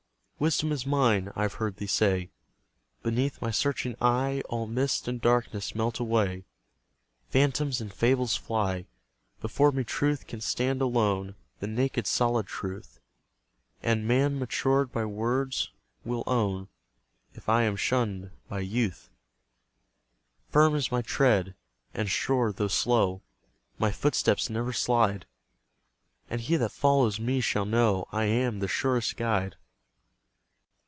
"Wisdom is mine," I've heard thee say: "Beneath my searching eye All mist and darkness melt away, Phantoms and fables fly. Before me truth can stand alone, The naked, solid truth; And man matured by worth will own, If I am shunned by youth. "Firm is my tread, and sure though slow; My footsteps never slide; And he that follows me shall know I am the surest guide."